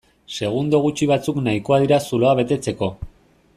Segundo gutxi batzuk nahikoa dira zuloa betetzeko.